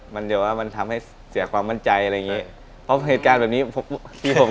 มันเดี๋ยวว่ามันทำให้เสียความมั่นใจอะไรอย่างงี้เพราะเหตุการณ์แบบนี้ที่ผม